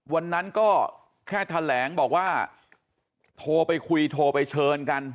วันนั้นก็แค่แถลงบอกว่าโทรไปคุยโทรไปเชิญกัน